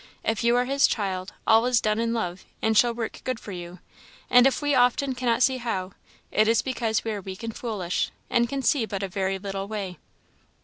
If you are his child, all is done in love, and shall work good for you; and if we often cannot see how, it is because we are weak and foolish, and can see but a very little way."